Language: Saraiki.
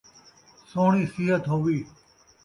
سوہݨی صحت ہووی